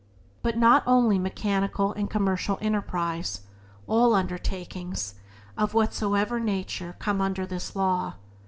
But not only mechanical and commercial enterprise — all undertakings, of whatsoever nature, come under this law.